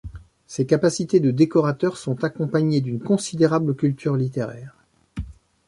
Ses capacités de décorateur sont accompagnées d'une considérable culture littéraire.